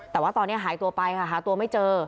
แต่ว่าตอนนี้หายตัวไปค่ะหาตัวไม่เจอ